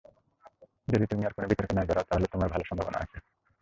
যদি তুমি আর কোনো বিতর্কে না জড়াও, তাহলে তোমার ভালো সম্ভাবনা আছে।